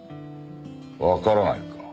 わからないか。